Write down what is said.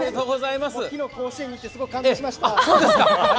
昨日甲子園に行って、すごい感動しました。